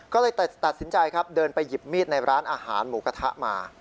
ก็เลยตัดสินใจครับเดินไปหยิบมีดในร้านอาหารหมูกระทะมา